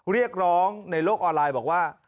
เรียกร้องในโลกออนไลน์บอกว่า